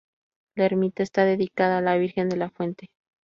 La Ermita está dedicada a la Virgen de la Fuente.